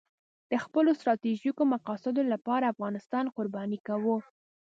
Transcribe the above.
د خپلو ستراتیژیکو مقاصدو لپاره افغانستان قرباني کاوه.